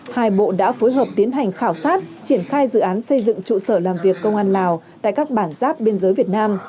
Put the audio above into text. hai bộ đã phối hợp tiến hành khảo sát triển khai dự án xây dựng trụ sở làm việc công an lào tại các bản giáp biên giới việt nam